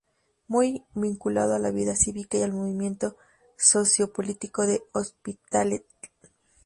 Muy vinculado a la vida cívica y al movimiento sociopolítico de Hospitalet.